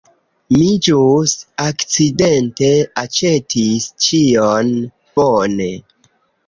Mi ĵus akcidente aĉetis ĉion! Bone.